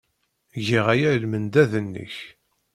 Giɣ aya i lmendad-nnek.